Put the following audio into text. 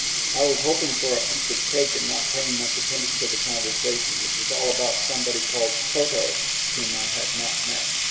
I was hoping for a piece of cake and not paying much attention to the conversation, which was all about somebody called Toto, whom I had not met.